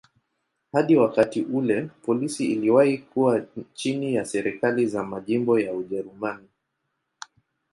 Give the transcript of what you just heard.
Hadi wakati ule polisi iliwahi kuwa chini ya serikali za majimbo ya Ujerumani.